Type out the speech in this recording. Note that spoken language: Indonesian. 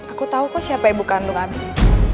aku tahu kok siapa ibu kandung abik